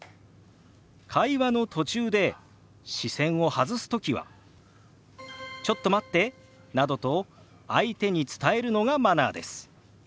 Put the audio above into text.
会話の途中で視線を外すときは「ちょっと待って」などと相手に伝えるのがマナーです。